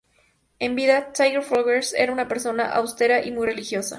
En vida, Tiger Flowers era una persona austera y muy religiosa.